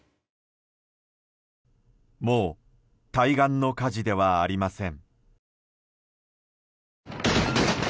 もう対岸の火事ではありません。